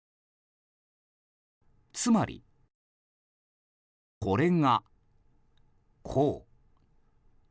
つまり、これがこう。